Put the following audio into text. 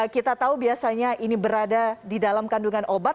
kita tahu biasanya ini berada di dalam kandungan obat